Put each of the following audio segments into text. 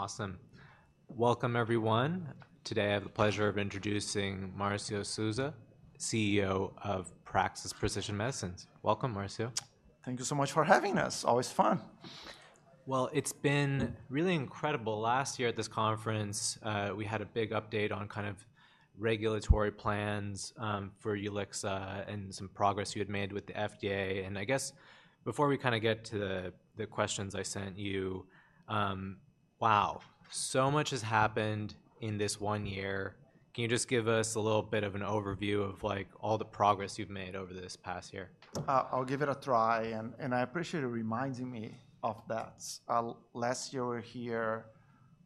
Awesome. Welcome, everyone. Today, I have the pleasure of introducing Marcio Souza, CEO of Praxis Precision Medicines. Welcome, Marcio. Thank you so much for having us. Always fun. Well, it's been really incredible. Last year at this conference, we had a big update on kind of regulatory plans for Ulixa and some progress you had made with the FDA. And I guess before we kinda get to the, the questions I sent you, wow! So much has happened in this one year. Can you just give us a little bit of an overview of, like, all the progress you've made over this past year? I'll give it a try, and, and I appreciate it reminding me of that. Last year we were here,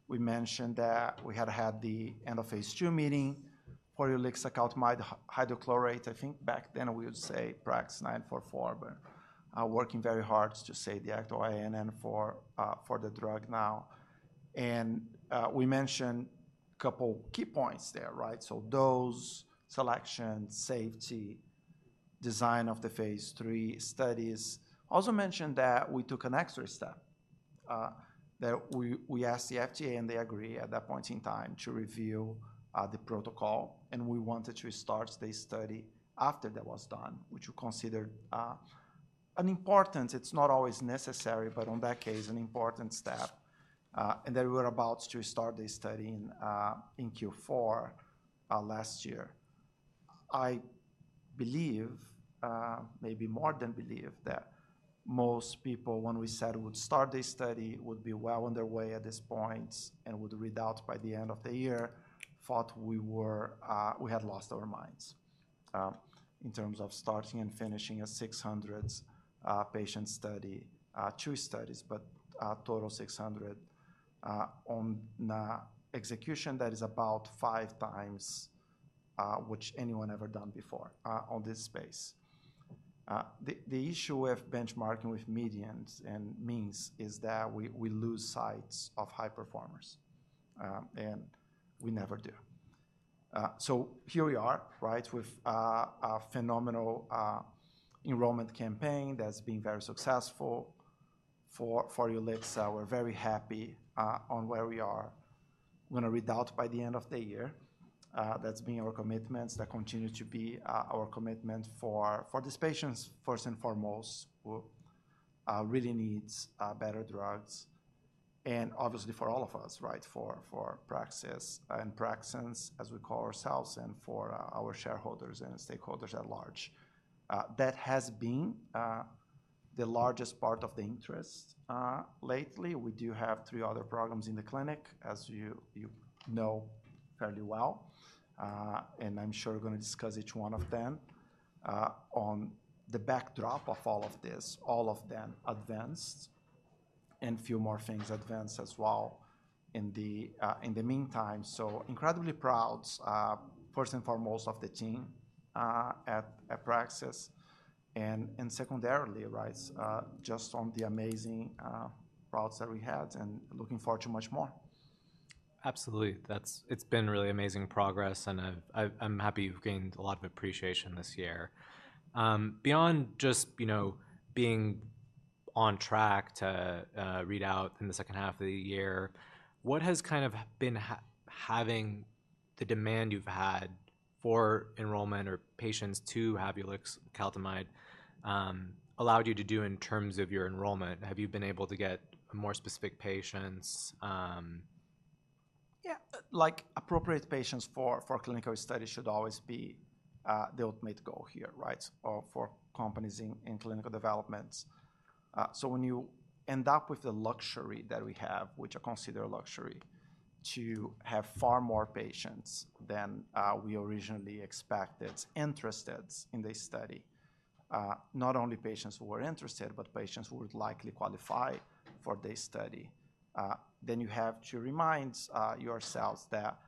we mentioned that we had had the end of phase II meeting for ulixacaltamide hydrochloride. I think back then we would say PRAX-944, but, working very hard to say the actual INN for, for the drug now. And, we mentioned a couple key points there, right? So dose, selection, safety, design of the phase III studies. Also mentioned that we took an extra step, that we asked the FDA, and they agree at that point in time to review the protocol, and we wanted to start the study after that was done, which we considered an important. It's not always necessary, but on that case, an important step, and that we were about to start this study in Q4 last year. I believe, maybe more than believe, that most people, when we said we would start this study, would be well on their way at this point and with the readout by the end of the year, thought we were—we had lost our minds, in terms of starting and finishing a 600-patient study, 2 studies, but a total 600, on execution that is about 5 times which anyone ever done before, on this space. The issue with benchmarking with medians and means is that we lose sight of high performers, and we never do. So here we are, right, with a phenomenal enrollment campaign that's been very successful for ulixacaltamide. We're very happy on where we are. We're gonna read out by the end of the year. That's been our commitment. That continue to be, our commitment for, for these patients, first and foremost, who really needs, better drugs, and obviously for all of us, right? For, for Praxis and Praxians, as we call ourselves, and for our, our shareholders and stakeholders at large. That has been, the largest part of the interest, lately. We do have three other programs in the clinic, as you, you know fairly well, and I'm sure we're gonna discuss each one of them. On the backdrop of all of this, all of them advanced, and a few more things advanced as well in the, in the meantime, so incredibly proud, first and foremost, of the team, at, at Praxis, and, and secondarily, right, just on the amazing, progress that we had and looking forward to much more. Absolutely. That's it. It's been really amazing progress, and I'm happy you've gained a lot of appreciation this year. Beyond just, you know, being on track to read out in the second half of the year, what has kind of been having the demand you've had for enrollment or patients to have ulixacaltamide allowed you to do in terms of your enrollment? Have you been able to get more specific patients? Yeah, like, appropriate patients for clinical studies should always be the ultimate goal here, right, for companies in clinical developments. So when you end up with the luxury that we have, which I consider a luxury, to have far more patients than we originally expected, interested in this study, not only patients who were interested, but patients who would likely qualify for this study, then you have to remind yourselves that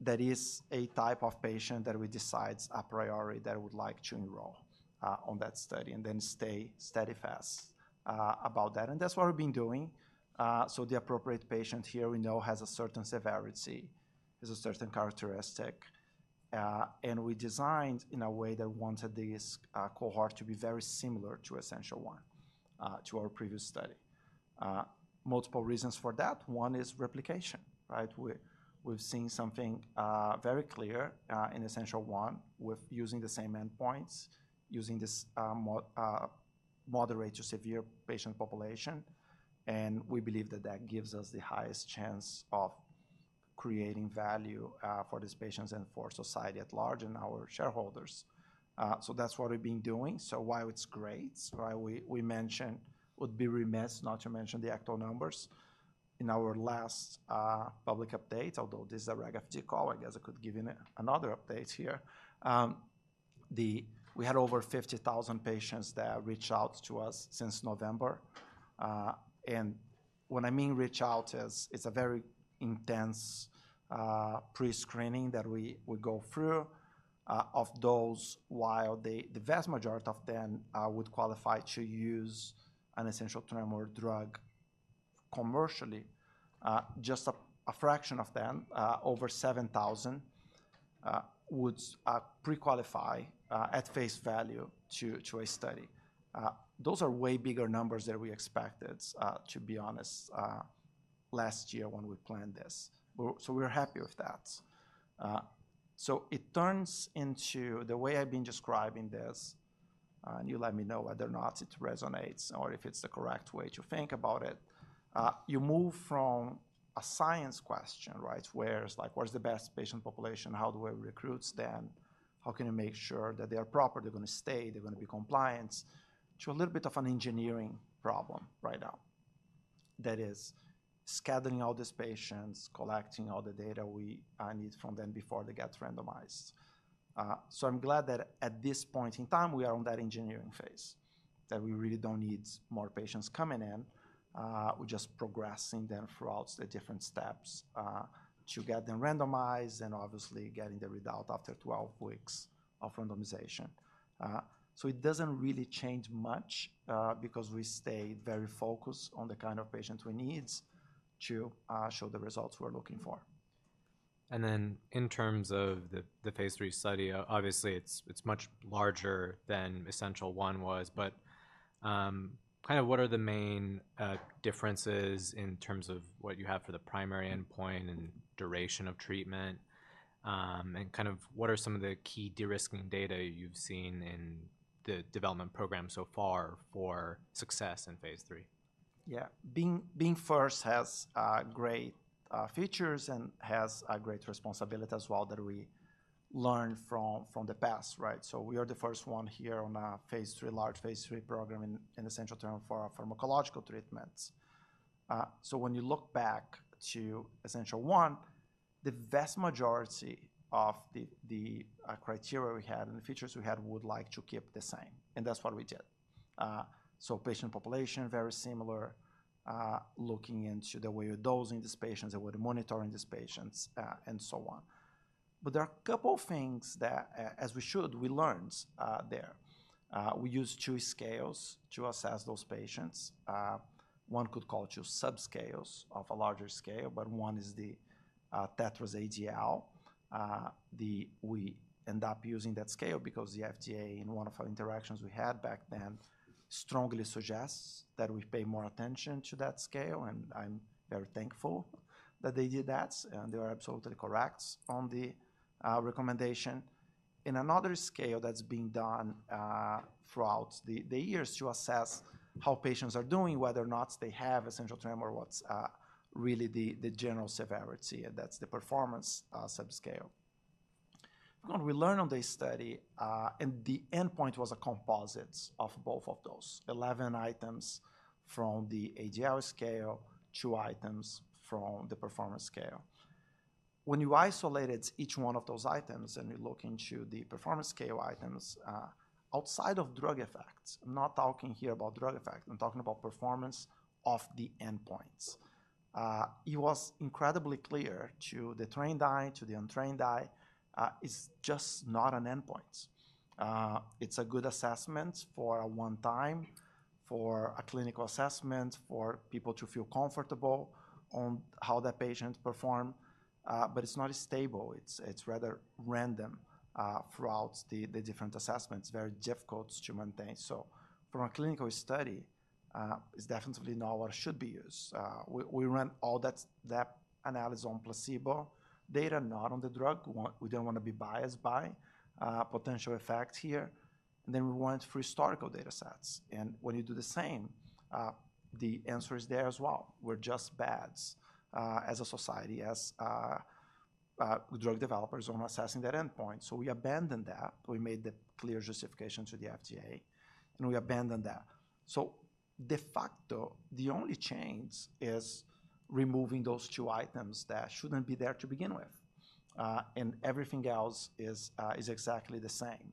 there is a type of patient that we decide a priority, that would like to enroll on that study and then stay steadfast about that. And that's what we've been doing. So the appropriate patient here, we know, has a certain severity, has a certain characteristic, and we designed in a way that wanted this cohort to be very similar to Essential1 to our previous study. Multiple reasons for that. One is replication, right? We've seen something very clear in Essential1 with using the same endpoints, using this moderate to severe patient population, and we believe that that gives us the highest chance of creating value for these patients and for society at large and our shareholders. So that's what we've been doing. So while it's great, right, we would be remiss not to mention the actual numbers. In our last public update, although this is a Reg FD call, I guess I could give you another update here. We had over 50,000 patients that reached out to us since November. And when I mean reach out, it's a very intense pre-screening that we go through of those, while the vast majority of them would qualify to use an essential tremor drug commercially, just a fraction of them, over 7,000 would pre-qualify at face value to a study. Those are way bigger numbers than we expected, to be honest, last year when we planned this. So we're happy with that. So it turns into the way I've been describing this, and you let me know whether or not it resonates or if it's the correct way to think about it. You move from a science question, right? Where it's like, what is the best patient population? How do I recruit them? How can you make sure that they are proper, they're gonna stay, they're gonna be compliant, to a little bit of an engineering problem right now. That is scheduling all these patients, collecting all the data we need from them before they get randomized. So I'm glad that at this point in time, we are on that engineering phase, that we really don't need more patients coming in. We're just progressing them throughout the different steps to get them randomized and obviously getting the result after 12 weeks of randomization. So it doesn't really change much, because we stay very focused on the kind of patients we need to show the results we're looking for. Then in terms of the phase III study, obviously, it's much larger than Essential1 was, but kind of what are the main differences in terms of what you have for the primary endpoint and duration of treatment? And kind of what are some of the key de-risking data you've seen in the development program so far for success in phase III? Yeah. Being first has great features and has a great responsibility as well that we learned from the past, right? So we are the first one here on a phase III, large phase III program in the essential tremor for pharmacological treatments. So when you look back to Essential1, the vast majority of the criteria we had and the features we had, we would like to keep the same, and that's what we did. So patient population, very similar, looking into the way we're dosing these patients, the way we're monitoring these patients, and so on. But there are a couple of things that as we should, we learned there. We used two scales to assess those patients. One could call two subscales of a larger scale, but one is the TETRAS ADL. We end up using that scale because the FDA, in one of our interactions we had back then, strongly suggests that we pay more attention to that scale, and I'm very thankful that they did that, and they are absolutely correct on the recommendation. In another scale that's been done throughout the years to assess how patients are doing, whether or not they have essential tremor, what's really the general severity, and that's the performance subscale. What we learned on this study, and the endpoint was a composite of both of those. 11 items from the mADL scale, 2 items from the performance scale. When you isolated each one of those items, and you look into the performance scale items, outside of drug effects, I'm not talking here about drug effects. I'm talking about performance of the endpoints. It was incredibly clear to the trained eye, to the untrained eye, it's just not an endpoint. It's a good assessment for a one time, for a clinical assessment, for people to feel comfortable on how that patient perform, but it's not stable. It's rather random throughout the different assessments. Very difficult to maintain. So from a clinical study, it's definitely not what should be used. We ran all that analysis on placebo data, not on the drug. We didn't wanna be biased by potential effects here. And then we went through historical data sets, and when you do the same, the answer is there as well. We're just bads as a society, as drug developers on assessing that endpoint. So we abandoned that. We made the clear justification to the FDA, and we abandoned that. So de facto, the only change is removing those two items that shouldn't be there to begin with, and everything else is exactly the same.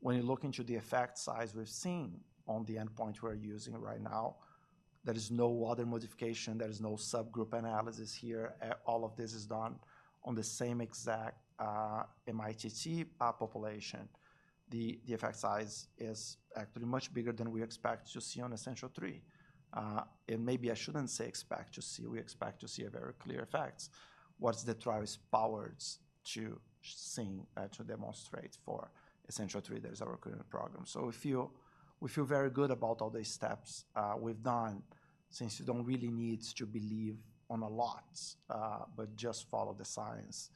When you look into the effect size we're seeing on the endpoint we're using right now, there is no other modification, there is no subgroup analysis here. All of this is done on the same exact MITT population. The effect size is actually much bigger than we expect to see on Essential3. And maybe I shouldn't say expect to see. We expect to see a very clear effect. What the trial is powered to see to demonstrate for Essential3, there's a recruiting program. We feel, we feel very good about all the steps we've done since you don't really need to believe on a lot, but just follow the science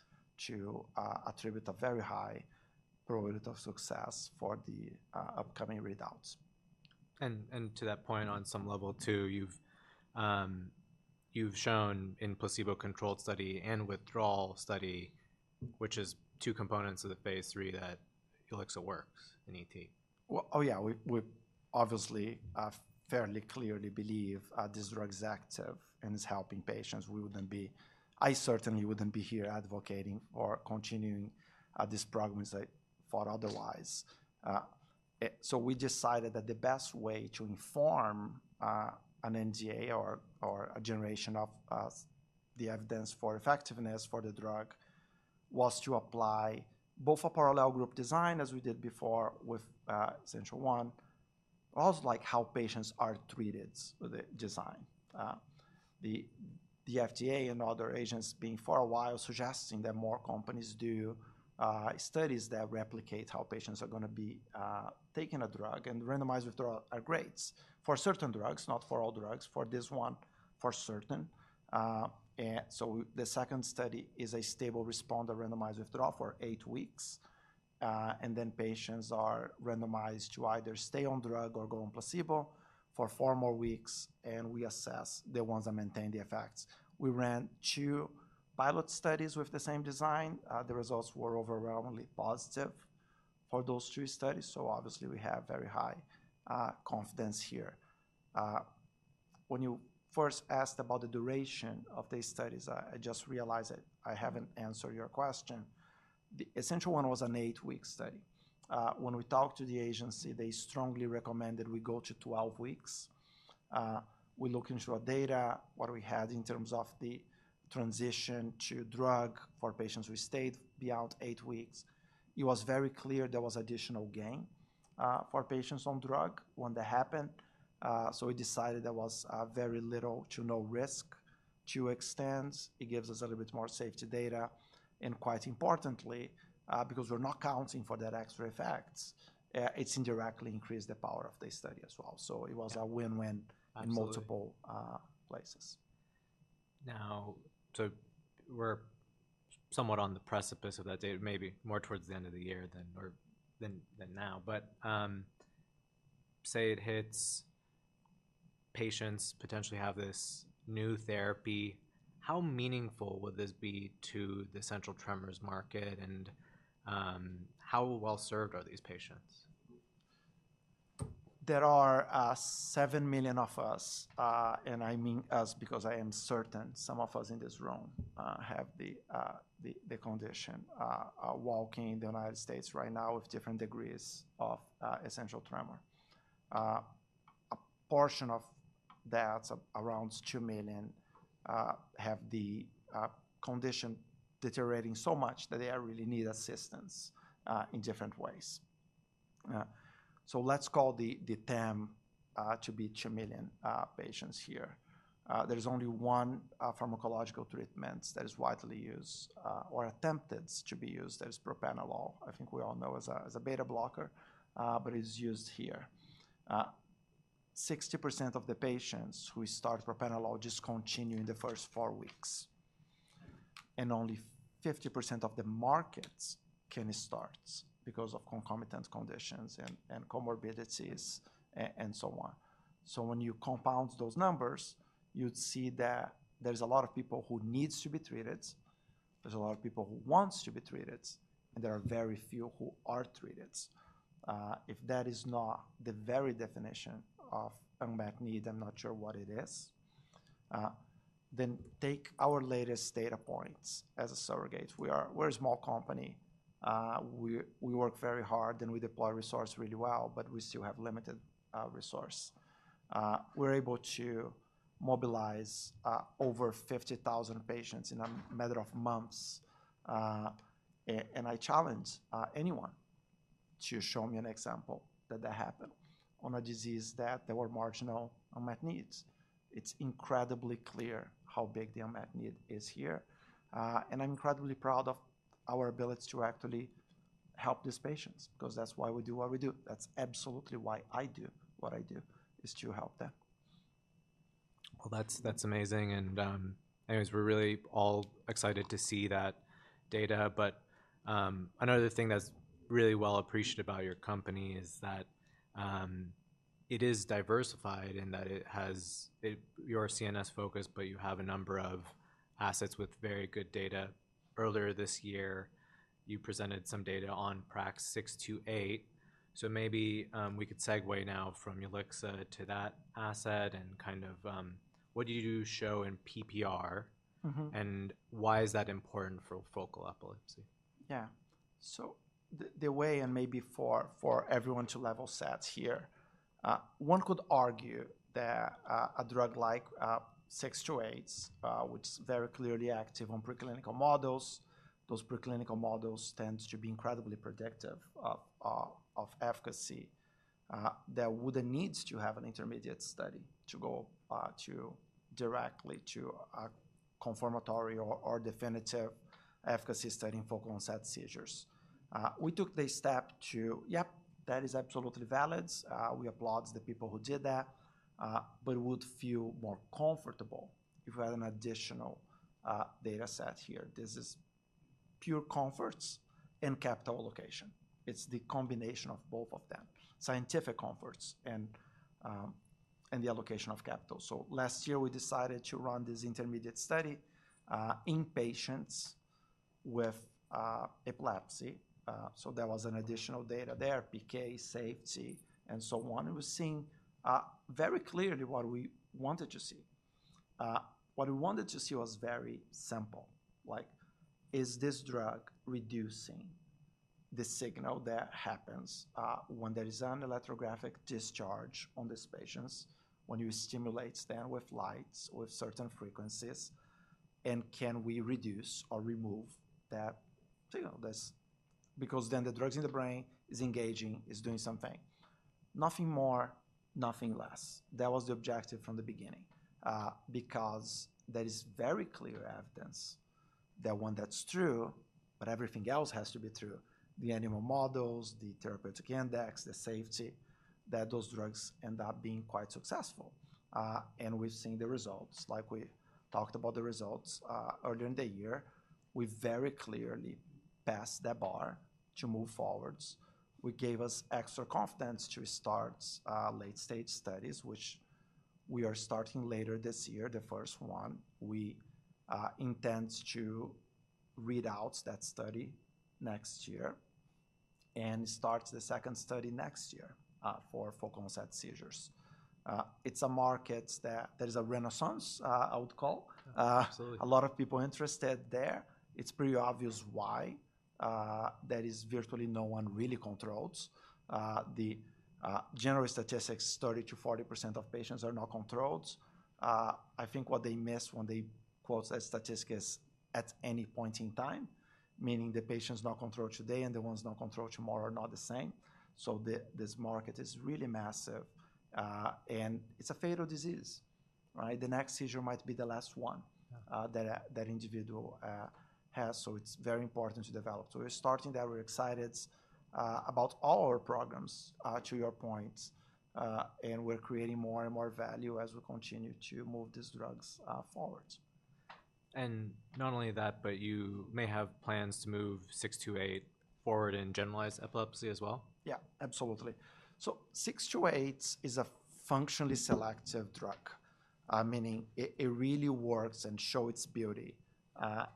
to attribute a very high probability of success for the upcoming readouts. To that point, on some level, too, you've shown in placebo-controlled study and withdrawal study, which is two components of the Phase III, that ulixacaltamide works in ET. Well, oh, yeah, we obviously fairly clearly believe this drug is active and is helping patients. We wouldn't be. I certainly wouldn't be here advocating or continuing this program if I thought otherwise. So we decided that the best way to inform an NDA or a generation of the evidence for effectiveness for the drug was to apply both a parallel group design, as we did before with Essential1. Also like how patients are treated with the design. The FDA and other agencies being for a while suggesting that more companies do studies that replicate how patients are gonna be taking a drug, and randomized withdrawal are great for certain drugs, not for all drugs, for this one, for certain. And so the second study is a stable responder randomized withdrawal for eight weeks. Then patients are randomized to either stay on drug or go on placebo for 4 more weeks, and we assess the ones that maintain the effects. We ran 2 pilot studies with the same design. The results were overwhelmingly positive for those 2 studies, so obviously we have very high confidence here. When you first asked about the duration of these studies, I just realized that I haven't answered your question. The essential one was an 8-week study. When we talked to the agency, they strongly recommended we go to 12 weeks. We look into our data, what we had in terms of the transition to drug for patients who stayed beyond 8 weeks. It was very clear there was additional gain for patients on drug when that happened. So we decided there was very little to no risk to extend. It gives us a little bit more safety data, and quite importantly, because we're not counting for that extra effects, it's indirectly increased the power of this study as well. So it was a win-win- Absolutely - in multiple places. Now, so we're somewhat on the precipice of that data, maybe more towards the end of the year than now. But, say, it hits patients potentially have this new therapy, how meaningful would this be to the essential tremors market, and, how well served are these patients? There are 7 million of us, and I mean us because I am certain some of us in this room have the condition walking in the United States right now with different degrees of essential tremor. A portion of that, around 2 million, have the condition deteriorating so much that they really need assistance in different ways. So let's call the term to be 2 million patients here. There is only one pharmacological treatments that is widely used or attempted to be used. That is propranolol. I think we all know as a beta blocker, but it's used here. 60% of the patients who start propranolol discontinue in the first 4 weeks, and only 50% of the patients can start because of concomitant conditions and comorbidities, and so on. So when you compound those numbers, you'd see that there's a lot of people who needs to be treated, there's a lot of people who wants to be treated, and there are very few who are treated. If that is not the very definition of unmet need, I'm not sure what it is. Then take our latest data points as a surrogate. We are. We're a small company. We work very hard, and we deploy resource really well, but we still have limited resource. We're able to mobilize over 50,000 patients in a matter of months. And I challenge anyone to show me an example that that happened on a disease that there were marginal unmet needs. It's incredibly clear how big the unmet need is here, and I'm incredibly proud of our ability to actually help these patients, 'cause that's why we do what we do. That's absolutely why I do what I do, is to help them. Well, that's, that's amazing and, anyways, we're really all excited to see that data. But, another thing that's really well appreciated about your company is that, it is diversified and that you are CNS focused, but you have a number of assets with very good data. Earlier this year, you presented some data on PRAX-628. So maybe, we could segue now from ulixacaltamide to that asset and kind of, what do you show in PPR? Mm-hmm. Why is that important for focal epilepsy? Yeah. So the way and maybe for everyone to level set here, one could argue that a drug like 628, which is very clearly active on preclinical models, those preclinical models tends to be incredibly predictive of efficacy, that wouldn't need to have an intermediate study to go directly to a confirmatory or definitive efficacy study in focal onset seizures. We took the step to. Yep, that is absolutely valid. We applaud the people who did that, but would feel more comfortable if we had an additional data set here. This is pure comfort and capital allocation. It's the combination of both of them, scientific comfort and the allocation of capital. So last year, we decided to run this intermediate study in patients with epilepsy. So there was an additional data there, PK, safety, and so on. It was seeing, very clearly what we wanted to see. What we wanted to see was very simple. Like, is this drug reducing the signal that happens, when there is an electrographic discharge on these patients, when you stimulate them with lights, with certain frequencies?... and can we reduce or remove that signal? That's because then the drugs in the brain is engaging, is doing something. Nothing more, nothing less. That was the objective from the beginning, because there is very clear evidence that when that's true, but everything else has to be true, the animal models, the therapeutic index, the safety, that those drugs end up being quite successful. And we've seen the results, like we talked about the results, earlier in the year. We very clearly passed that bar to move forward, which gave us extra confidence to start late-stage studies, which we are starting later this year, the first one. We intend to read out that study next year and start the second study next year for focal onset seizures. It's a market that there is a renaissance, I would call. Absolutely. A lot of people interested there. It's pretty obvious why, there is virtually no one really controls. The general statistics, 30%-40% of patients are not controlled. I think what they miss when they quote that statistic is at any point in time, meaning the patient's not controlled today, and the ones not controlled tomorrow are not the same. So this market is really massive, and it's a fatal disease, right? The next seizure might be the last one. Yeah ...that individual has, so it's very important to develop. So we're starting that. We're excited about all our programs, to your point, and we're creating more and more value as we continue to move these drugs forward. Not only that, but you may have plans to move 628 forward in generalized epilepsy as well? Yeah, absolutely. So 628 is a functionally selective drug, meaning it really works and show its beauty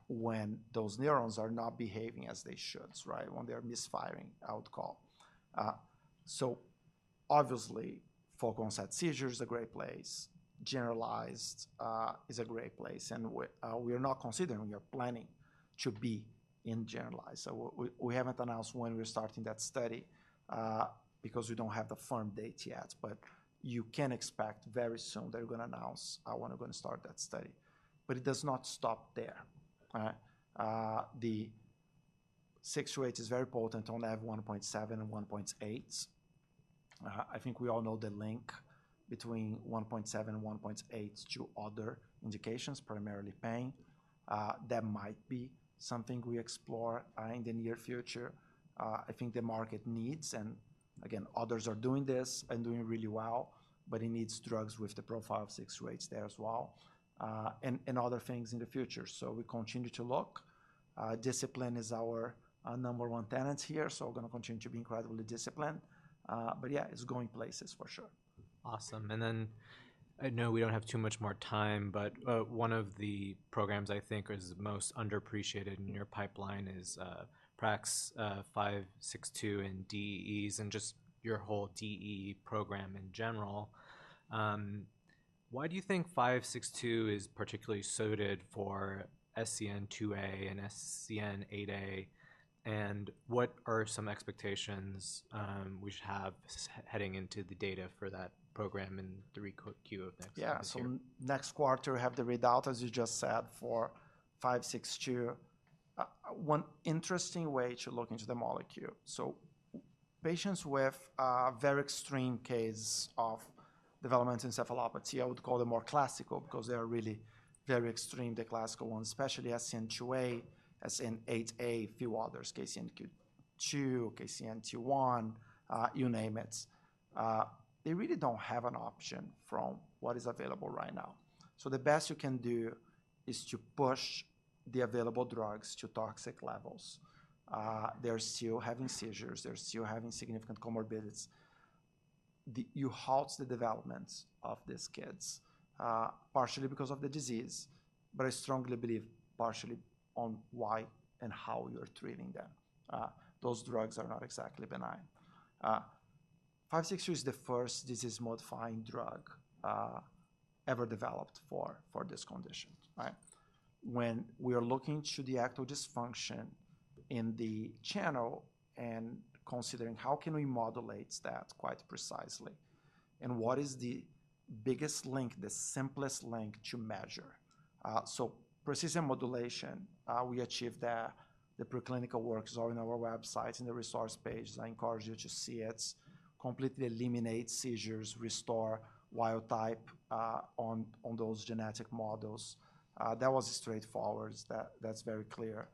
when those neurons are not behaving as they should, right? When they're misfiring, I would call. So obviously, focal onset seizure is a great place, generalized is a great place, and we are not considering, we are planning to be in generalized. So we haven't announced when we're starting that study because we don't have the firm date yet, but you can expect very soon that we're gonna announce when we're gonna start that study. But it does not stop there. The 628 is very potent, only have NaV 1.7 and NaV 1.8. I think we all know the link between NaV 1.7 and NaV 1.8 to other indications, primarily pain. That might be something we explore in the near future. I think the market needs, and again, others are doing this and doing really well, but it needs drugs with the profile of 6, 2, 8s there as well, and other things in the future. So we continue to look. Discipline is our number one tenet here, so we're gonna continue to be incredibly disciplined. But yeah, it's going places for sure. Awesome. And then I know we don't have too much more time, but, one of the programs I think is most underappreciated in your pipeline is, PRAX-562 and DEEs, and just your whole DE program in general. Why do you think 562 is particularly suited for SCN2A and SCN8A? And what are some expectations, we should have heading into the data for that program in the Q of next year? Yeah, so next quarter, we have the readout, as you just said, for 562. One interesting way to look into the molecule. So patients with a very extreme case of developmental encephalopathy, I would call them more classical because they are really very extreme, the classical ones, especially SCN2A, SCN8A, a few others, KCNQ2, KCNT1, you name it. They really don't have an option from what is available right now. So the best you can do is to push the available drugs to toxic levels. They're still having seizures, they're still having significant comorbidities. You halt the development of these kids, partially because of the disease, but I strongly believe partially on why and how you're treating them. Those drugs are not exactly benign. 562 is the first disease-modifying drug ever developed for this condition, right? When we are looking to the actual dysfunction in the channel and considering how can we modulate that quite precisely, and what is the biggest link, the simplest link to measure? So precision modulation, we achieved that. The preclinical works are in our website, in the resource page. I encourage you to see it, completely eliminate seizures, restore wild type, on those genetic models. That was straightforward. That's very clear.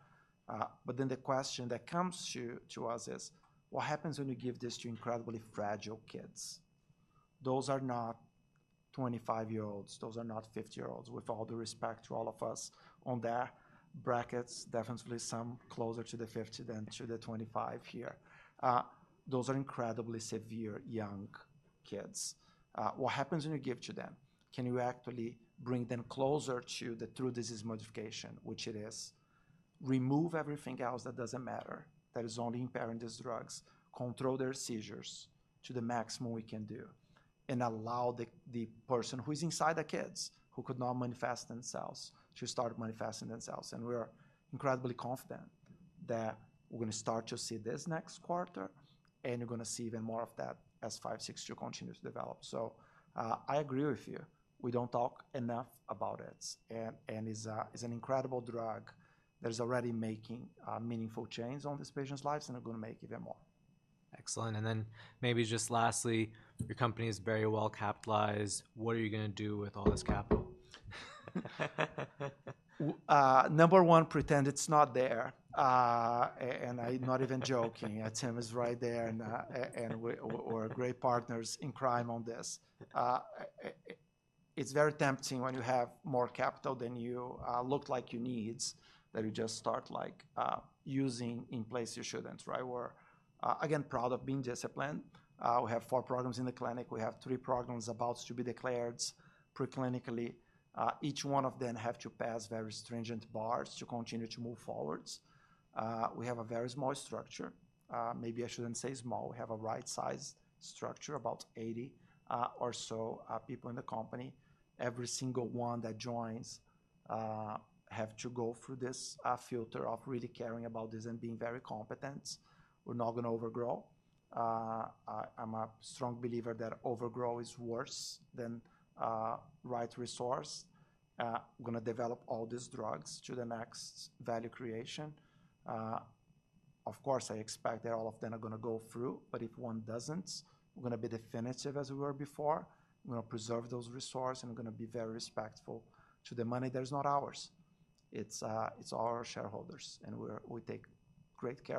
But then the question that comes to us is, what happens when you give this to incredibly fragile kids? Those are not 25-year-olds. Those are not 50-year-olds. With all due respect to all of us on their brackets, definitely some closer to the 50 than to the 25 here. Those are incredibly severe young kids. What happens when you give to them? Can you actually bring them closer to the true disease modification, which it is? Remove everything else that doesn't matter, that is only impairing these drugs, control their seizures to the maximum we can do, and allow the, the person who is inside the kids, who could not manifest themselves, to start manifesting themselves. And we are incredibly confident that we're gonna start to see this next quarter, and you're gonna see even more of that as 562 continues to develop. So, I agree with you. We don't talk enough about it, and, and it's a, it's an incredible drug that is already making, meaningful changes on these patients' lives, and it's gonna make even more. Excellent. And then maybe just lastly, your company is very well capitalized. What are you gonna do with all this capital? Number one, pretend it's not there. And I'm not even joking. Tim is right there, and we're great partners in crime on this. It's very tempting when you have more capital than you look like you need, that you just start, like, using in places you shouldn't, right? We're again proud of being disciplined. We have four programs in the clinic. We have three programs about to be declared preclinically. Each one of them have to pass very stringent bars to continue to move forward. We have a very small structure. Maybe I shouldn't say small. We have a right-sized structure, about 80 or so people in the company. Every single one that joins have to go through this filter of really caring about this and being very competent. We're not gonna overgrow. I'm a strong believer that overgrow is worse than undergrow. We're gonna develop all these drugs to the next value creation. Of course, I expect that all of them are gonna go through, but if one doesn't, we're gonna be definitive as we were before. We're gonna preserve those resources, and we're gonna be very respectful to the money that is not ours. It's our shareholders', and we take great care of-